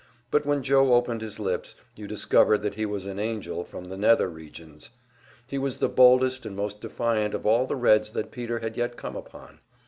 But when Joe opened his lips, you discovered that he was an angel from the nether regions. He was the boldest and most defiant of all the Reds that Peter had yet come upon.